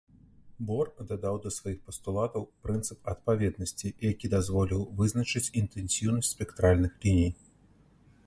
Бор дадаў да сваіх пастулатаў прынцып адпаведнасці, які дазволіў вызначыць інтэнсіўнасць спектральных ліній.